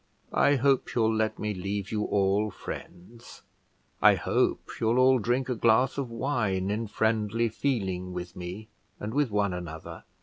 I hope you'll let me leave you all friends; I hope you'll all drink a glass of wine in friendly feeling with me and with one another.